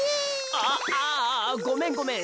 ああごめんごめん。